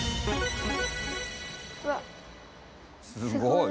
すごい。